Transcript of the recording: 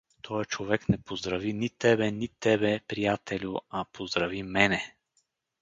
— Тоя човек не поздрави ни тебе, ни тебе, приятелю, а поздрави мене.